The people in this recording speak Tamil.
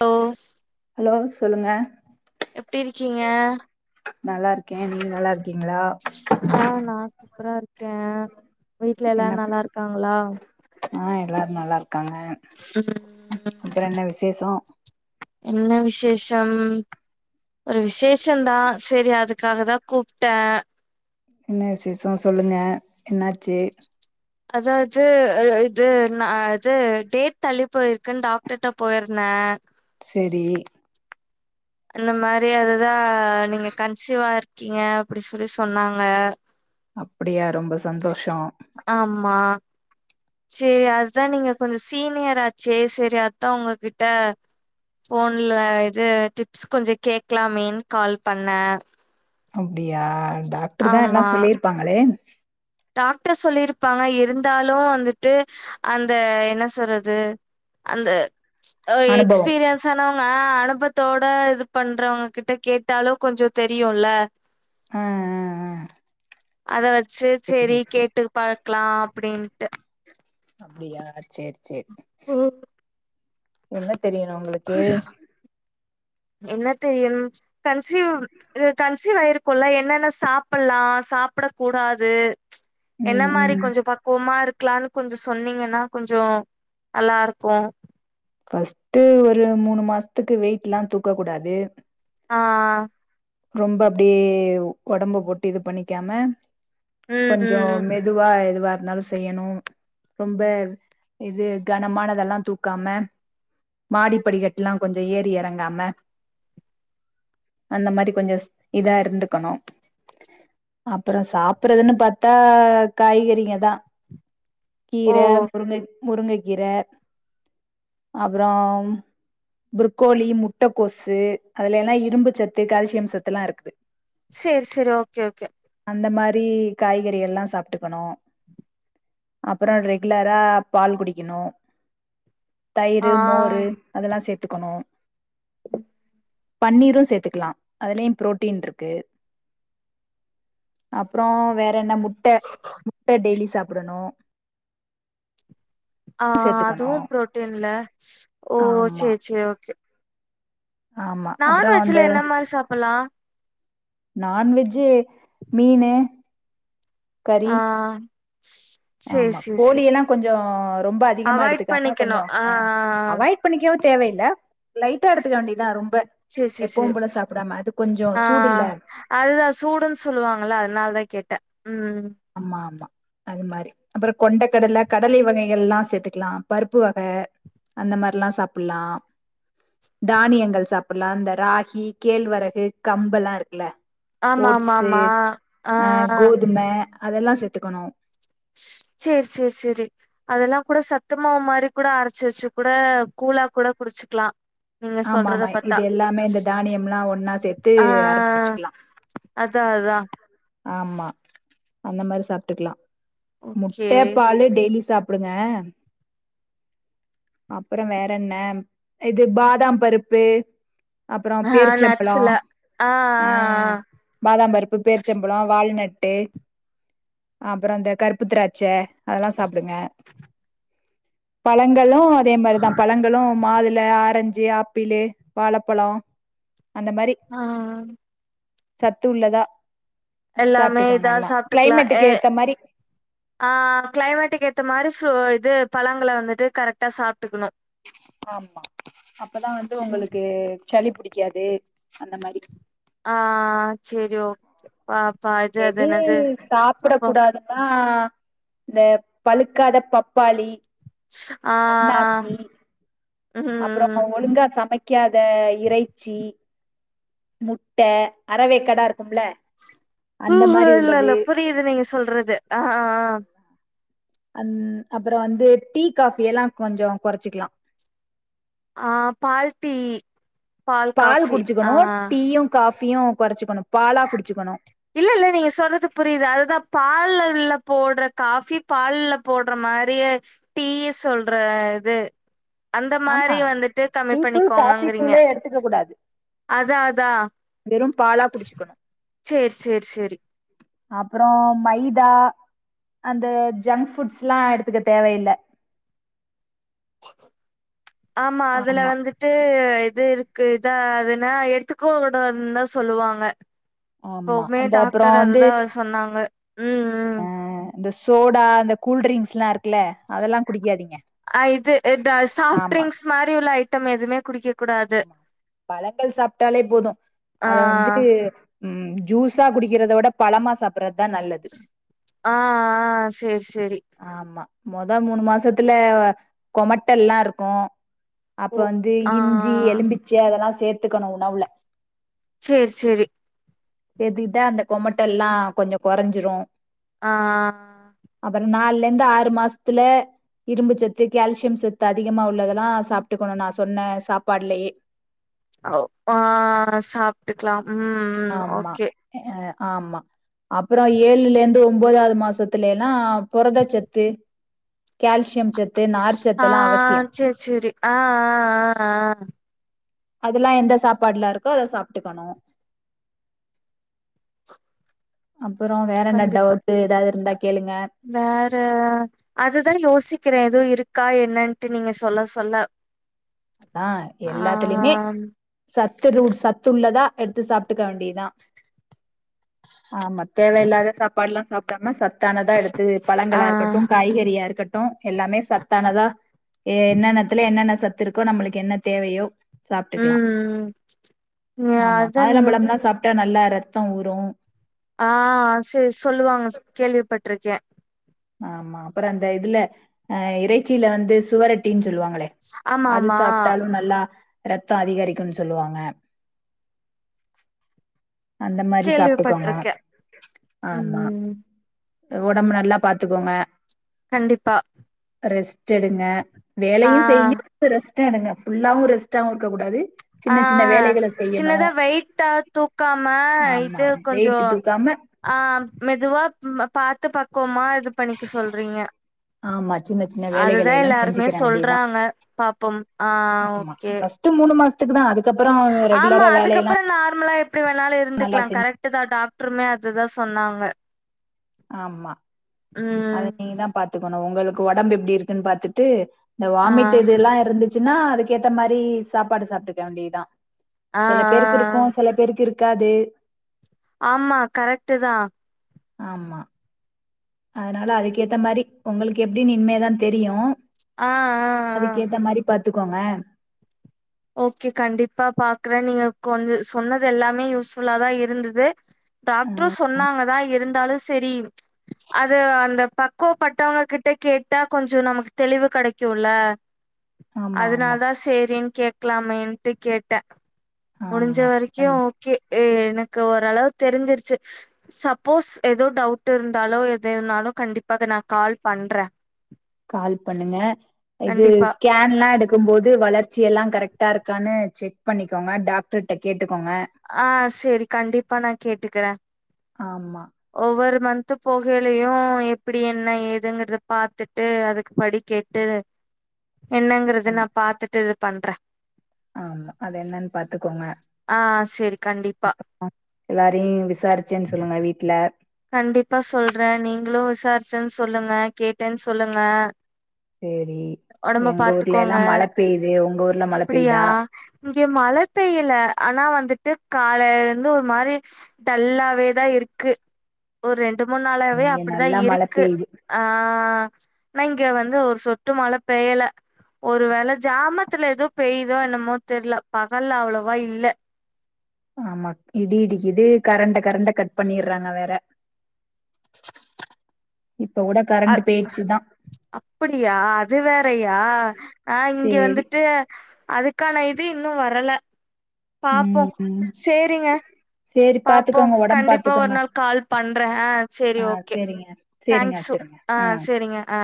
ஹலோ ஹலோ சொல்லுங்க எப்டி இருக்கீங்க நல்லாருக்கே நீங்க நல்லாருக்கீங்களா ஆ நான் சூப்பரா இருக்கேன் வீட்ல என்ன எல்லாரும் நல்லா இருக்காங்களா ஆ எல்லாரும் நல்லா இருக்காங்க ம் அப்பறம் என்ன விசேஷம் என்ன விசேஷம் ஒரு விசேஷந் தான் செரி அதுக் க்காகதான் கூப்டேன் என்ன விசேஷம் சொல்லுங்க என்னாச்சு அதாது இது நான் து டேட் தள்ளி போயிருக்குன்னு டாக்டர்ட்ட போயிருந்தேன் சேரி இந்த மாரி அதுதான் நீங்க கன்சிவா இருக்கீங்க அப்புடி சொல்லி சொன்னாங்க அப்புடியா ரொம்ப சந்தோஷம் ஆமா சேரி அதான் நீங்க கொஞ்சோம் சீனியர் ஆச்சே செரி அதான் உங்ககிட்ட போன்ல இது டிப்ஸ் கொஞ்சோம் கேக்லாம் மேன்னு கால் பண்னேன் அப்டியா டாக்ருதான் எல்லா ஆமா. சொல்லிருப்பாங்களே டாக்டர் சொல்லிருப்பாங்க இருந்தாலும் வந்துட்டு அந்த என்ன சொல்றது அந்த ஆ அனுபவம் எக்ஸ்பீரியன்ஸ் வயசானவங்க அனுபவத்தோட இது பண்றவங்க கிட்ட கேட்டாலும் கொஞ்சோம் தெரியும்ல உம் ம் அத வச்சி சேரி சரி கேட்டு பார்க்கலாம் அப்டின்ட்டு அப்டியா சேர் சேரி ஹம் என்ன தெரியானும் உங்களுக்கு என்ன தெரியனும் கன்சிவ் இது கன்சிவ் ஆயிருக்கும் இல்ல என்னென்ன சாப்பலாம் சாப்பிடக் கூடாது என்ன ம் மாரி ம் கொஞ்சோம் பக்குவமா இருக்கலானு கொஞ்சோம் சொன்னீங்கன்னா கொஞ்சோம் நல்லாருக்கும் ஃபர்ஸ்ட்டு ஒரு மூணு மாசத்துக்கு வெயிட்லாம் தூக்க கூடாது ஆஹ ரொம்ப அப்டியே ஒடம்ப போட்டு இது பண்ணிக்காம ம், கொஞ்சோ ம். மெதுவா எதுவா இருந்தாலு செய்யணூ ரொம்ப இது கனமானதெல்லா தூக்காம மாடி படிக்கட்லா கொஞ்சோ ஏறி எறங்காம அந்த மாரி கொஞ்சஸ் இதா இருந்துக்கணு அப்புறோ சாப்புறதுன்னு பாத்தா காய்கறிங்க தா ஓ! கீர முருங்கக் முருங்கக்கீர அப்றோம் புருக்கோழி முட்ட கோசு அதுலையெலா இரும்பு சத்து கால்சியம் சத்துலா இருக்குது சேர் சேரி ஓகே ஓகே அந்த மாரி காய்கறியெல்லா சாப்டுக்கனூ அப்ரோம் ரெகுலரா பால் குடிக்கனும் ஆ, தயிரு மோரு அதெல்லாம் சேத்துக்கனும் உம் பன்னீரும் சேத்துக்கலாம் அதுலயும் ப்ரோட்டீன்ருக்கு அப்ரோம் வேற என்ன முட்டை முட்டை டெய்லி சாப்டனும் ஆஹ சேத்துக்கணு அதுவும் ப்ரோட்டீன்ல ஓ ஆமா சேர் சேரி ஓகே ஆமா அப்றோ அந்த நான்வெஜ்ல என்ன மாரி சாப்பலாம் நான்வெஜ்ஜூ மீனு கறி இஸ் ஆமா கோழியெல்லா கொஞ்சோ ரொம்ப அதிகமா அவாய்ட் எடுத்துக்காம கொஞ்சோ பண்ணிக்கணும். ஆ அவாய்ட் பண்ணிக்கவு தேவையில்ல லைட்டா எடுத்துக்க வேண்டியதா ரொம்ப சரி, சரி, சரி. எப்போவும்போல சாப்புடாம அது கொஞ்சோ சூடுல்ல அதுதா சூடுன் சொல்வாங்கள அதுனாலதா கேட்டே உம் அம்மா ஆமா அது மாரி அப்பறோ கொண்டக்கடல கடலை வகைகள்லா சேத்துக்கலா பருப்பு வக அந்த மாரிலா சாப்புட்லா தானியங்கள் சாப்புட்லா இந்த ராகி கேழ்வரகு கம்பலா இருக்குல ஆமா, ஆமா, ஓட்ஸு ஆமா. ஆ கோதும அதெல்லா சேத்துக்கனூ சேர் சேர் சேரி அதெல்லா கூட சத்துமாவு மாரி கூட அரச்சு வச்சு கூட கூழா கூட குடிச்சுக்லா ஆமாமா இது எல்லாமே இந்த தானியம்லா ஒன்னா சேத்து ஆ அரச்சுக்லா அதா அதா ஆமா அந்த மாரி சாப்டுக்லா ஓகே முட்ட பாலு டெய்லி சாப் புடுங்க அப்புறோ வேறென்ன இது பாதாம் பருப்பு அப்றோ ஆ பேரிச்சம்பழோ நட்ஸ்ல ஆ பாதாம்பருப்பு பேரிச்சம்பழோ வால்நட்டு அப்பறோ அந்த கருப்பு திராட்ச அதல்லா சாப்டுங்க பழங்களு அதே மாரிதா பழங் களு மாதுள ஆரஞ்சி ஆப்பிளு வாழப்பழோ அந்த மாரி ஆ ஆ ஆ சத்து உள்ளதா எல்லாமே இதா சாப்டுக்கோங்க எல்லா சாப்ட்டுக்கலா ஏ கிளைமேட்டுக்கு ஏத்த மாரி ஆ கிளைமேட்டுக்கு ஏத்த மாரி சோ இது பழங்கள வந்துட்டு கரெக்டா சாப்டுக்கணு ஆமா அப்பதா வந்து சே ஒங்களுக்கு சளி புடிக்காது அந்த மாரி ஆ சேரி ஓகே பாப்பா இது அது என்னது பாப்போ தா இந்த பழுக்காத பப்பாளி ச அண்ணாசீ ம் ம் அப்புறமா ஒழுங்கா சமைக்காத இறைச்சி முட்ட அறவேக்கடா இருக்கும்ல அந்த மாரி உள்ளது இது நீங்க சொல்றது ஆ ஆ அந் அப்பறொ வந்து டீ காஃபி எல்லா கொஞ்சொ கெறச்சிக்கலா ஆ பால் டீ பால் காஃபி. ஆ. குடுச்சுக்கணு டீயு காஃபியு கொறச்சுக்கணு பாலா குடுச்சுக்கணு இல்ல இல்ல நீங்க சொல்றது புரியுது அதுதா பால்லெல்ல போட்ற காஃபி பால்ல போட்ற மாரியே டீ சொல்ற இது அந்த ஆமா மாரி வந்துட்டு கம்மி டீ தூள் காஃபி பண்ணிக்கோங்கங்கிறீங்க தூளே எடுத்துக்க அதா அதா வெறு பாலா குடிச்சுக்கணு சேர் சேர் சேரி அப்பறோ மைதா அந்த ஜங்க் ஃபுட்ஸ்லா எடுத்துக்க தேவயில்ல ஆமா அதுல வந்து டு இது இருக்கு இதா அதுனா எடுத்துக்கோங்கடான் தா சொல்லுவாங்க ஆமா இப்பவுமே அந்த அப்புறோ டாக்டர் வந்து அதுதா சொன்னாங்க ம் ம் அஹ், இந்த சோடா இந்த கூல்ரிங்ஸ்லா இருக் குல அதல்லா குடிக்காதீங்க ஆமா மாறி உள்ள ஐட்டம் எதுமே குடிக்க கூடாது பழங்கள் சாப்ட்டாலே போது ஆ அத வந்து ம் ஜூஸா குடிக்கிறத விட பழமா சாப்புட்றதா நல்லது ஆ ஆ சேரி சேரி ஆமா மொத மூனு மாசத்துல கொமட்டல்லா இருக்கு அப்ப ஓ வந்து ஆ இஞ்சி எலும்பிச்ச அதெல்லா சேத்துக்கணு உணவுல சேரி சேரி சேத்துகிட்டா அந்த கொமட்டல்லா கொஞ்சொ கொறஞ்சிரு அ அ அப்பறொ நாள்லெந்து ஆறு மாசத்துல இரும்பு சத்து கேல்சியம் சத்து அதிகமா உள்ளத ல்லா சாப்ட்டுக்கணு நா சொன்ன சாப்பாடுலயே அப்பா சாப்ட்டுக்லாம் ம் ம் ஆமா ஓகே எ ஆமா அப்பறோ ஏழுல இர்ந்து ஒம்போதாவது மாசத்துல எல்லா புரதச்சத்து கேல்சியம் ஆ சேரி சேரி அ அ அ அ அதெல்லா எந்த சாப்பாடுல இருக்கோ அத சாப்ட்டுக்கணு அப்பறோ வேற என்ன கண்டிப்பா டவுட்டு ஏதாவது இருந்தா கேளுங்க வேற அதுத யோசிக்கிறே ஏதுவு இருக்கா என்னன்ட்டு நீங்க சொல்ல சொல்ல தா ஆ எல்லாத்துலயுமே சத்து ரூட் சத்துள்ளதா எடுத்து சாப்ட்டுக்க வேண்டியதா ஆமா தேவ இல்லாத சாப்பாடுலா சாப் [unintelligible] சத்தானதா எடுத்து ஆ பழங்களா இருக்கட்டு காய்கறியா இருக்கட்டு எல்லாமே சத்தானதா என்னென்னத்துல என்னென்ன சத்து இருக்கோ நம்மளுக்கு என்ன தேவையோ சாப்ட்டுக்கலா ம் ம் ஆமா அதா நீங்க மாதுளம்பழம்னா சாப்ட்டா நல்லா ரெத்தொ ஊரு ஆ செரி சொல்லுவாங்க கேள்விப்பட்ருக்கே ஆமா அப்பறொ அந்த இதுல அ இறைச்சில வந்து சுவரொட்டினு சொல்லுவாங்களே ஆமா அது ஆமா சாப்ட்டாலு நல்லா ரத்தோ அதிகரிக்குனு சொல்வாங்க அந்த மாதிரி சாப்ட்டுக்கோங்க கேள்விப்பட்டிருக்கே ஆமா ம் ஒடம்பு நல்லா பாத்துக்கோங்க கண்டிப்பா ரெஸ்ட் எடுங்க ஆ வேலயு செய்ங்க ரெஸ்டு எடுங்க ஃபுல்லாவு ரெஸ்டாவு இருக்ககூடாது ஆ சின்னதா வெயிட்டா தூக்காம ஆமா இது கொஞ்சோ வெயிட்டு தூக்காம ஆ மெதுவா பாத்து பக்குவமா இது பண்ணிக்க சொல்றீங்க ஆமா சின்ன சின்ன வேலைகளை அதுதா எல்லா எல்லாருமே செஞ்சுக்கிற வேண்டியதா சொல்றாங்க பாப்போம் ஆ ஓகே து மூனு மாசத்துக்கு தா அதுக்கப்றோ ஆமா ரெகுலரா வேலயெல்லா அதுக்கப்புறோ நார்மலா எப்டி வேணாலு இருந்துக்கலா கரெக்ட் தா டாக்டருமே அதுதா சொன்னாங்க ஆமா அத ம் நீங்க தா பாத்துக்கணு உங்களுக்கு உடம்பு எப்டி இருக்குன்னு பாத்துட்டு இந்த ஆ வாமிட் எதுல்லா இருந்து இதுனா அதுக்கேத்த மாரி சாப்பாடு சாப்ட்டுக்க வேண்டியதுதா ஆ ஆ சில பேர்க்கு இருக்கு சில பேர்க்கு இருக் காது ஆமா கரெக்ட்டு தா ஆமா அதனால அதுக்கேத்த மாரி உங்களுக்கு எப்டினு இனிமேதா தெரியு ஆ ஆ ஆ அதுக்கேத்த மாரி பாத்துக்கோங்க ஓகே கண்டிப்பா பாக்குறே நீங்க கொஞ்ச சொன்னது எல்லாமே யூஸ்ஃபுல்லாதா இருந்தது ஆ டாக்ட்ரு சொன்னாங்கதா இருந்தாலு செரி அது அந்த பக்குவப்பட்டவங்க கிட்ட கேட்டா கொஞ்சொ நமக்கு தெளிவு கெடைக்குல்ல ஆமா அதுனால ஆமா தா சேரின் கேக்லாமேன்ட்டு கேட்டே முடுஞ்ச ஆமா வரைக்கு கண் ஓகே எனக்கு ஓரளவு தெரிஞ்சிருச்சு சப்போஸ் ஏதோ டவுட் இருந்தாலோ எத இருனாலு கண்டிப்பா நா கால் பண்றே [unintelligible] கால் பண்ணுங்க இது கண்டிப்பா ஸ்கேன்ல்லா எடுக்கும்போது வளச்சி கட்சி எல்லா கரெக்டா இருக்கான்னு செக் பண்ணிக்கோங்க டாக்டர்ட்ட கேட்டுக்கோங்க ஆ செரி கண்டிப்பா நா கேட்டுக்குற ஆமா ஒவ்வொரு மனந்த் போகையிலயு எப்டி என்ன ஏதுங்கறத பாத்துட்டு அதுக்கு படி கேட்டு து என்னங்கறது நா ஆமா பாத்துட்டு பண்றே ஆமா அது என்னன்னு பாத்துக்கோங்க செரி கண்டிப்பா எல்லாரயு விசாரிச்சேன்னு சொல்லுங்க வீட்ல கண்டிப்பா சொல்றே நீங்களு விசாரிச்சேன்னு சொல்லுங்க கேட்டேன்னு சொல்லுங்க சேரி ஒடம்ப எங்க பாத்துக்கோங்க ஊர்லல்லா மழ பெய்து உங்க ஊர் அப்டியா இங்க மழ பெய்யல ஆனா வந்துட்டு காலைலருந்து ஒரு மாரி டல்லாவே தா இருக்கு ஒரு ரெண்டு மூணு நாளாவே இங்க அப்டிதா நல்லா மழ இருக்கு பெய்யுது ஆ நா இங்க வந்து ஒரு சொட்டு மழ பெயல ஒரு வேள ஜாமத்துல ஏதோ பெய்தோ என்னமோ தெர்ல பகல் அவ்வளவா இல்ல ஆமா இடி இடிக்கிது கரண்ட கரண்ட கட் பண்ணிட்றாங்க வேற இப்ப கூட கா அ அப்டியா அது வேறயா ஆ இங்க சேரி வந்துட்டு அதுக்கான இது இன்னு வரல பாப்போ ம் ம் சேரிங்க சேரி பாப்போ பாத்துக்கோங்க ஒடம்பு கண்டிப்பா ஒரு பாத்துக்கோங்க நாள் கால் பண்றே அ ஆ சேரி ஓகே சேரிங்க சேரிங்க தேங்க்ஸு வச்சிருங்க ஆ சேரிங்க ஆ